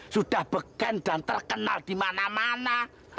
sudah beken dan terkenal di mana mana